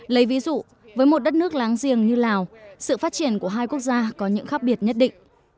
lấy ví dụ với một đất nước láng giềng như lào sự phát triển của hai quốc gia có những khác biệt nhất định